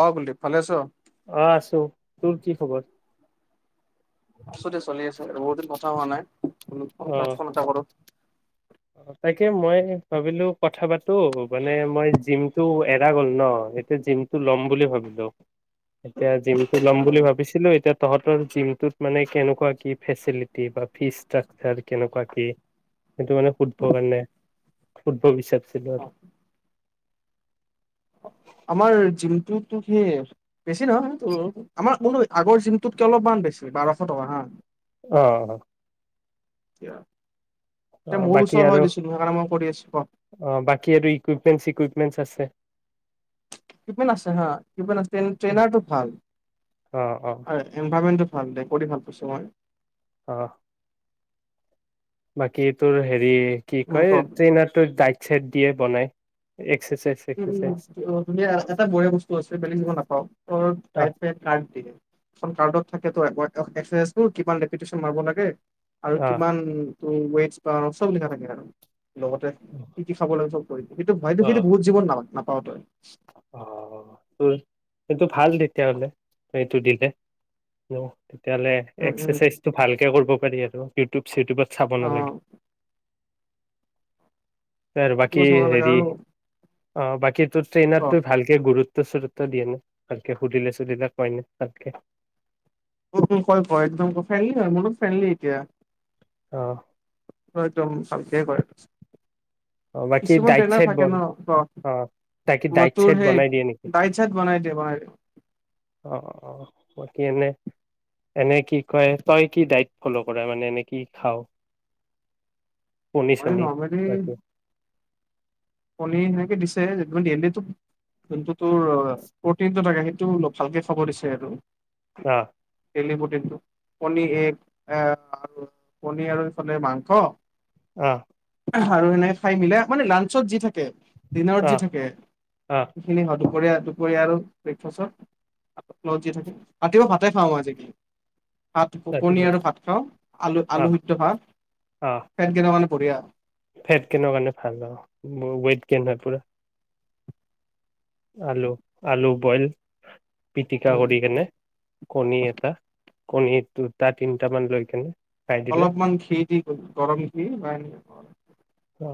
অ কুলদ্বিপ ভালে আছ অ আছো তোৰ কি খবৰ সুতেছ চলি আছে আৰু বহুত দিন কথা হোৱা নাই তা এটা কৰো অ তাকে মই ভাবিলো কথা পাতো মানে মই জিমটো এৰা গ'ল ন এতিয়া জিমটো ল'ম বুলি ভাবিলো এতিয়া জিম ওলাম বুলি ভাবিছিলো এতিয়া তহঁতৰ জিমটোত মানে কেনেকুৱা কি ফেচিলিটি বা ফি ষ্ট্ৰাকচাৰ কেনেকুৱা কি সেইটো মানে ফুঠবৰ কাৰণে ফুটব বিচাৰি চিল আমাৰ জিমটো সি বেছি নহয় আমাৰ মোৰ আগৰ জিমটোতকে অলপমান বেছি বাৰশ টকা হা আহ কিয় অ বাকী আৰু আছো ক অ বাকী আৰু ইকুইপমেন্ট ইকুইপমেন্ট আছে ইপমেট আছে হা ইুপমেণ্ট আছে ট্ৰেইনাৰটো ভাল অ', অ', আৰু এনভেট ভাল দে কৰি ভাল পাইছো মই অহ বাকী তোৰ হেৰি কি উম কয় ক ত ইনাৰ তোৰ দাইট চাইট দিয়ে বনাই এক্সাৰচাইজ উম চেক্সাৰচাইজ উমু এটা বঢ়া বস্তু আছে বেলেগ জগা নাপাও অ তাই কাৰ্ড দিয়ে কাৰ্ত থাক কিমানপন মাৰ লাগে আৰু অ কিমান ৱেট চব লিখা থাকে লগতে শ কি খাবলৈ চব কৰি কিন্তু ভাইতটো অ সেইটো বহুত নাপ নাপাওঁ অ তোৰ সেইটো ভাল তেতিয়াহলে সেইটো দিলে তেতিয়াহ'লে উম উম এক্সাৰচাইজ টো ভালকে কৰিব ইউ সেইটোপাত চাব অ নালাগে ত বাকী সেইটো চাব লাগে হেৰি আৰু অ বাকী তোৰ অ ট্ৰেইনাৰটো ভালকে গুৰুত্ব দিয়ে নে তাকে সুধিলে সুধিলে কয় নে তাতকে কল ক একদম ফ মত ফেনলী এতিয়া অহ তোৰ একদম কৰে অ বাকী কিছুমান ডাইট ট্ৰেইনাৰ চাইট থাকে বন ন অ বাকী ব ডাইট তোৰ চাইট সেই বনাই দিয়ে নেকি ডাইট চাইট বনাই দিয় বনাই দ অ অ বাকী এনে এনে কি কয় তই কি ডাইট ফল' কৰা মানে এনে কি খাও কণী মই চণী নৰ্মেলি বাকে কণী সেনেকে দিছে যোনটো তোৰ প্ৰটিন থাকে সেইটোলপ ভালকে খাব দিছে আৰু আহ ডেইলি প্ৰটিন টো কনীৰ এ আৰু কণীৰ আৰু মাংস আহ আৰু এনে খাই মিলাই মানে লা চবজি দিনত অ যি থাকে অ সেইখিনি দুপৰীয়া দুপৰীয়া আৰু ব্ৰেকফাষ্টতত থাকে ৰাতিপুৱা ভাতে খাওঁ আজিকালি ভাত কণী ৰাতিপুৱা আৰু ভাত খাওঁ আলু অ', আলু সিদ্ধ ভাত অ', খট কেইটামানে দুপৰীয়া ফেট গেইনৰ কাৰণে ভাল আৰু ৱেট গেইন হয় পুৰা আলু আলু বইল পিটিকা উম, কৰি কেনে কণী এটা কণী দুটা তিনিটামান লৈ কেনে খাই দিলে অলপমান ঘি দি গৰম বা এনে অ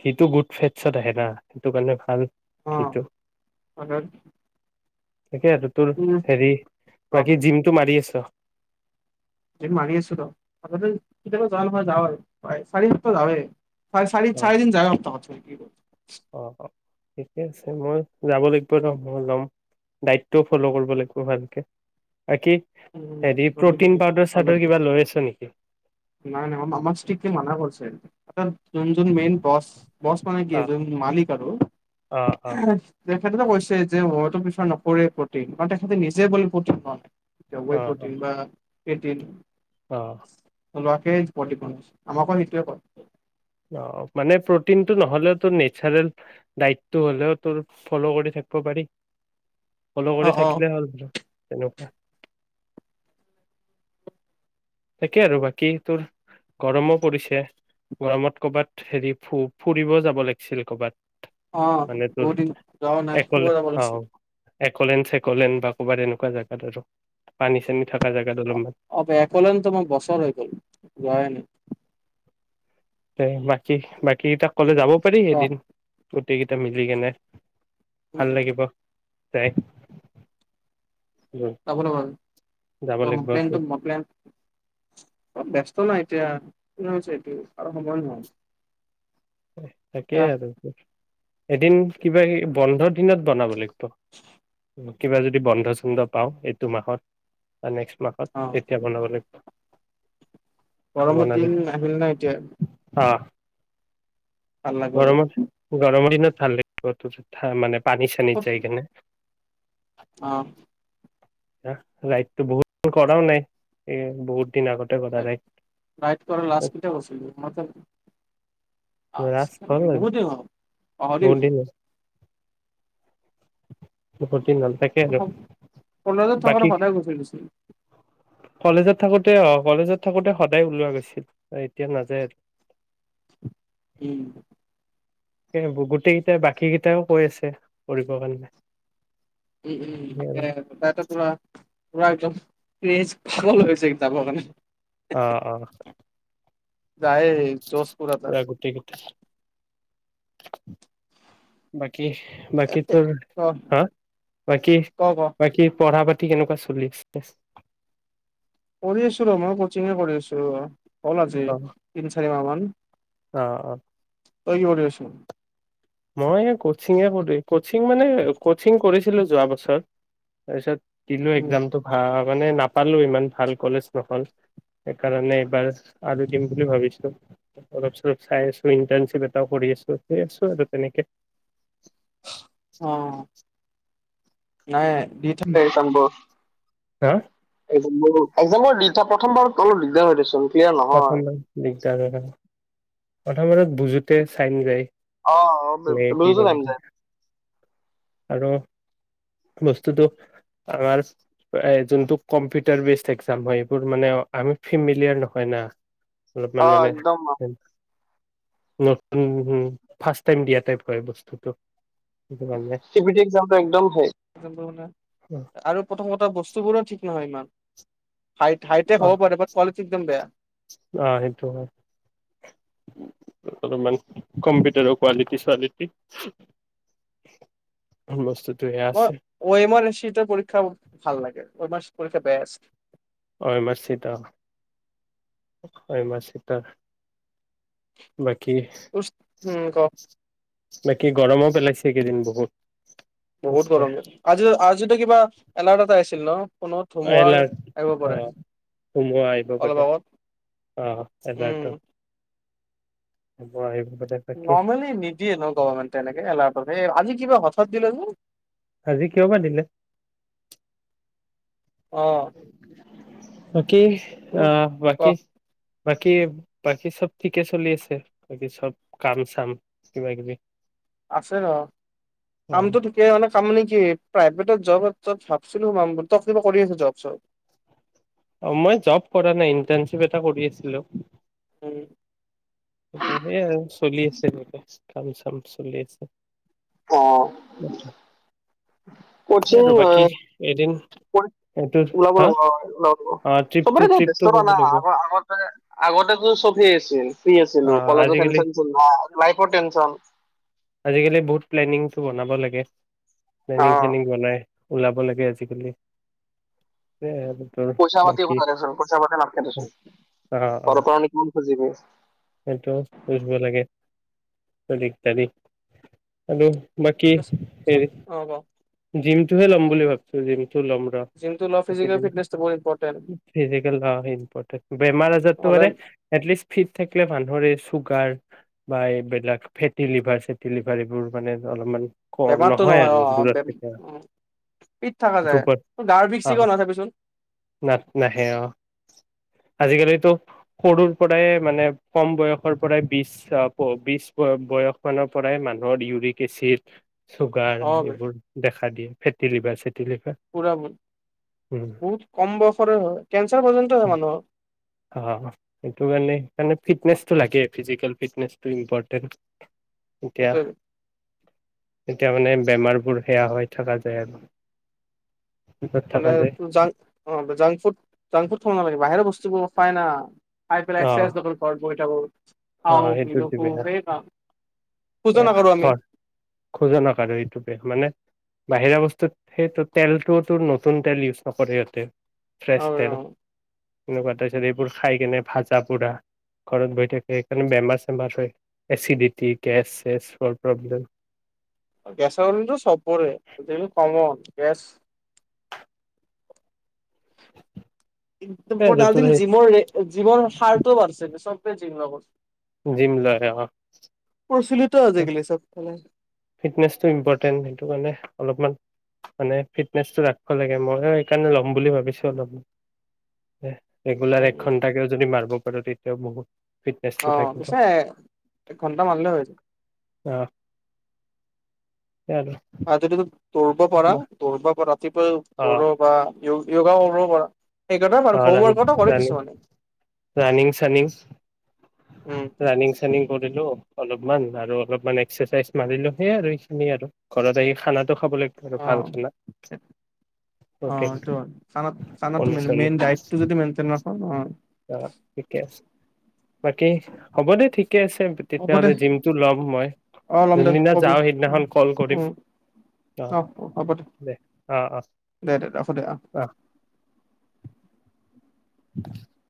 সেইটো গুড ফেটচত আহে না সেইটো কাৰণে ভাল অ ঘিটো আ তাকে আৰু তোৰ হেৰি অ বাকী জিমতটো মাৰি আছ [inaudible] মাৰি আছিলো কেতিযাবা চাৰি যাৱে চাৰে চাৰি অ', চাৰি দিন যায় সপ্তাহত কি ব' অ অ ঠিকে আছে মই যাব লাগিব ৰ মই লম দাইতটোও ফ'ল' কৰিব লাগিব ভালকে বাকী উম হেৰি লবি প্ৰটিন লবি পাউদাৰ ভাল চাউদাৰ লাগিব কিবা লৈ আছ নেকি নাই নাই ইচট্ৰিকলি মানা কৰিছে এ অ যোন যোন মেইন বছ বছ মানে কি এ অ', য মালিক আৰু অ', অ', তেখেতে কৈছে যে মইতো নকৰে প্ৰটিন তেখেতে নিজে বুলি প্ৰটিন নলয় প্ৰটিন বা প্ৰটিন আহ কৰিছে আমাৰ সেইটোৱেয়ে কয় অ মানে প্ৰটিনটো নহ'লেও তোৰ নেচাৰেল ডাইটটো হ'লেও তোৰ ফ'ল' কৰি থাকিব পাৰি ফল' অ' কৰি অ' থাকিলে হ'ল তেনেকুৱা তাকে আৰু বাকী তোৰ গৰমো পৰিছে গৰমত কৰ'বাত হেৰি ফ ফুৰিব যাব লাগিছিল কৰ'বাত অ বহু দিন যোৱাও নাই খব যাব লাগিছিল একল্ ন চেকলেন বা ক'ৰবাত তেনেকুৱা জেগাত আৰু পানী চানী থাকা [unintelligible] ত মই বছৰ হৈ গল লেৱাই নাই এই বাকী বাকীটা কলে যাব পাৰি অ এদিন গোটেইকেইটা মিলি কেনে ভাল লাগিব দেই লাগিব প্লেনটো তোৰ। প্লেন ব্যস্ত নাই এতিয়া কেনে হৈছে এইটো আৰু সময় নহয় তাকে এতিয়া আৰু এদিন কিবা বন্ধৰ দিনত বনাব লাগিব উম কিবা যদি বন্ধ চন্ধ পাওঁ এইটো মাহত নেক্সট মাহত অ তেতিয়া বনাব লাগিব গৰমৰ বনালে দিন আহিল না এতিয়া অ ভাল লাগিব যায় গৰমত গৰমৰ দিনত ভাল লাগিব মানে পানী চানীত যায় খেনে আহ ৰাইতটো বহুত কৰাও নাই এ বহুত দিন আগতে কৰা ৰাইট ৰাইড ৰাইট কৰা লাষ্ট কেতিয়া গৈছিলি মইটো অ লাজ হ'ল আৰু বহু দিন হল অ হৰি বহুত দিন অ কলেজত থকাটো বাকী সদায় গুচি দিছিল কলেজত থাকোতে অ কলেজত থাকোতে সদায় ওলোৱা গৈছিল এতিয়া নাযায় আৰু উম সেই গোটেই কেইটাই বাকী কেইটাইও কৈ আছে কৰিবৰ কাৰণে উম উম এ আৰু ত ত ক একদম ক্ৰেজ ভাব ল গৈছে কিতাপৰ কাৰণে অ অ যায় যজপুৰত আ পুৰা গোটেই বাকী কি বাকী তোৰ ক হা বাকী ক ক বাকী পঢ়া পতি কেনেকুৱা চলি আছে কৰি আছো ৰ মই কচিঙ কৰি আছো কল আছে অ তিনি চাৰি মাবা উ অ অ তই কি কৰি আছ মই কচিঙে পলো কচিং মানে কচিং কৰিছিলো যোৱা বছৰ তাৰপিছত দিলো উম, এক্জামতটো ভাল মমানে নাপালোঁ ইমান ভাল কলেজ নহ'ল সেইকাৰণে এইবাৰ আৰু দিম বুলি ভাবিছোঁ অলপ চলপ চাই আছোঁ ইণ্টাৰ্ণশ্বিপ এটাও কৰি আছোঁ সেই আছোঁ আৰু তেনেকে অ নাই দি থাকে চামব হা মোৰো একজামৰ ৰিচা প্ৰথমবাৰত অলপ দিগদাৰ হৈ দেচোন ক্লিয়াৰ নহয়। প্ৰথমবাৰ দিগদাৰ প্ৰথমতত বুজোতে চাই নযায় অ অ বজুছ এ আনিলে আৰু বস্তুতটো আমাৰ যোনটো কম্পিউটাৰ বেচ এক্জাম হয় এইবোৰ মানে আমি ফেমিলিয়াৰ নহয় না অ, অলপমান মানে একদম নতুনম ফাৰ্ষট টাইম দিয়া টাইপ হয় বস্তুটো সেইটো কাৰণে চিভিটি এক্সামটো একদম মানে আৰু প্ৰথমতে টা বস্তুবোৰো ঠিক নহয় ইমান ঠাই হাইটেক অ হ'ব পাৰে বাট কোৱালিটি একদম বেয়া অ সেইটো হয় অলপমান কম্পিউটাৰৰ কোৱালিটি ছোৱালিটি বস্তু মই ম আৰিৰ পীক্ষা ভাল লাগে কলক বেছ হয় ম চিতা হয় ম চিতা উচ, উম ক। বাকী গৰমো পেলাইছে এইকেইদিন বহুত। বহুত গৰম অ, আজি আজিতো কিবা এনাৰেতা আহিছিল ন? ফোনত ধুমুহাৰ আহিব এলাৰ্ট অ, পাৰে ধুমুহা আহিব অলপ পাৰে, আগত অ উম। এলাৰ্টো। হ'ব আহিবি। নৰ্মেলি নিদিয়ে ন গভমেণ্টে এনেকে এলাৰ্ট, অ আজি কিবা ঘট হত দিলে উ। আজি কিয় বা দিলে। অ। কি, অ উফ ক বাকী? বাকী, বাকী চব ঠিকে চলি আছে, বাকী চব কাম চাম কিবা কিবি? আছে ৰ, অ কামটো ঠিকে মানে কাম নে কি, প্ৰাইভেটত জব ত ভাবছিলো ম, মোৰ তাত কিন্ত আছে জব চব। অ মই জব কৰা নাই, ইণ্টাৰ্ণশ্বিপ এটা কৰি আছিলো। উম। তাকে হে আৰু চলি আছো এনেকে। কাম চাম চলি আছে। অ [unintelligible] কচিং আৰু অ, বাকী এদিন কৰি এইটো ওলাব হা ৰ'বা, অ ওলাব। অ ট্ৰিপটো চবৰে খালি ট্ৰিপটো ব্যস্ততা ৰ কৰিব না, লাগিব আগ আগতে আগতেতো চব হে আছিল। ফ্ৰী অ আছিলো, কলেজৰ আজিকালি টেনচন ছিল না লাইফ টেনচন। টো বনাব লাগে। অ প্লেনিং চেনিং বনাই ওলাব লাগে আজিকালি, এ আৰু। তোৰ পইচা-পাতি বাকী এইবোৰ খৰচ হ'ল। পইচা-পাতি নাথকে দেচোন, অ অ ঘৰ পা আনি কিমান খুজিবি। সেইটো বুজিব লাগে, ত্যাদি ইত্যাদি, আৰু বাকী [unintelligible] হেৰি অ গ। জিমটোহে ল'ম বুলি ভাবছো, জিম। টো লম ৰহ, জিমটো লোৱা কাতি ফিজিকেল দিম ফিটনেচটো বহুত ইম্পৰ্টেণ্ট ফিজিকেল গা অ হে ইম্প্ৰৰ্টেন্ট। বেমাৰ আজাৰটো নহ'লে মানে, এটলিস্ত ফিট থাকে মানুহৰ এই চু গাৰ বা এই বিলাক ফেটি লিভাৰ চেটি লিভাৰ এইবোৰ মানে অলপ মান বেমাৰতটো নহয়, অ-অ, বেম উ, ফিত থকা যায়। ধূপত গাৰ আহ বিষ-চিষও নহয় চাবি চোন। না নাহে অ আজিকালিতো সৰুৰ পৰাই মানে, কম বয়সৰ পৰাই বিশ বয়সৰ পৰাই মানুহৰ ইউৰিক এচিড চুগাৰ, অ' বে এইবোৰ [unintelligible] ফেটিভাৰ লিভাৰ, চেট তি লিভাৰ পুৰা ব উম, বহুত কম বয়সৰে হয় কেঞ্চাৰ পৰ্যন্ত হয় উম, মানুহৰ অ', সেইটোকাৰণে ফিটনেচটো লাগে ফিজিকেল ফিটনেছটো ইম্পৰ্টেণ্ট। এতিয়া এইটোৱে এতিয়া মানে বেমাৰবোৰে সেয়া হৈ থাকা যায় আৰু য'ত মানে থকা যায় জাং অ', জাংক ফুড জাংক ফুড খাব নালাগে, বাহিৰৰ বস্তুবোৰ খাই না খাই পেলাই অ'। এক্সেচাইচ নকৰে ঘৰত বহি যাব অ সেইটোত বেয়া [unintelligible] খোজো বেয়া নকৰো আমি ঘৰ খোজনক আৰু এইটো বেয়া মানে বাহিৰা বস্তুত সেইটো তেলটোত [unintelligible] নতুন তেল ইউজ নকৰে সিহঁতে ফ্ৰেছ অ তেল। এনেকুৱা তাৰ পিছত এইবোৰ খাই কেনে ভাজা পুৰা ঘৰত বৈ থাকে [unintelligible] বেমাৰ চেমাৰ হয়, এচিডিটি, গেছ চেছ হৰ পৰা মিলাই। কেঁচা আমটো চব পৰে, গোটেইটো পাৰি আন। গেছ। একদম এ ত নতুন জিমৰৰে জিমৰ সাৰটোও বাঢ়িছে চব [unintelligible] িাপ [unintelligible] জিম লও ইয়াত আহক। প্ৰচলিত আজিকালি চাৰি। ফিটনেচটো ইম্পৰ্টেণ্ট, সেইটো কাৰণে অলপমান মানে ফিটনেচটো ৰাখিব লাগে ময় সেইকাৰণে ল'ম বুলি ভাবিছোঁ অলপমান। ৰেগুলাৰ উম এক ঘণ্টাকৈও যদি মাৰিব লগে। পতি এতিয়া বহুত- ফিটনেচটো আহ, থাকিব পিছে এক ঘন্টামানলৈ হৈ যায়। চল- পূৰ্বৰ পৰা পূৰ্বৰ পৰা। পতিপ অ কৰ় বা [unintelligible] যুগ কৰিব পৰা। অ, ৰানিং ৰানিং চানিং উম ৰানিং চানিং কৰিলো। অলপমান আৰু অলপমান এক্সাৰচাইজ মাৰিলো হৈ ৰেষ্ট লও আৰু ঘৰত জাই খানাত খাবলৈ আৰু অ ভাল আচা অ অ'কে সেইটো হয় খানা [unintelligible] খানাটো মেইন দায়িত্ব যদি মেনটে নথয় অ অ ঠিকে আছে বাকী হ'ব দে ঠিক ঠিকে আছে হ'ব দে তেতিয়াহ'লে জিমটো ল'ম মই অ ল'ম দে যোনদিনা কবি যাওঁ সেইদিনাখন কল কৰিম উম অ দে অ অ দে দে ৰাখো দে অ উ